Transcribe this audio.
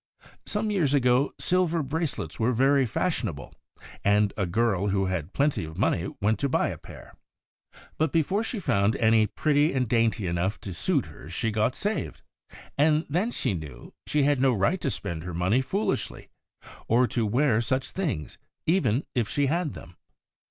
Some years ago, silver bracelets were very fashionable, and a girl who had plenty of money went to buy a pair. But before she found any pretty and dainty enough to suit her she got saved, and then she knew she had no right to spend her money foolishly, or to wear such things, even if she had them.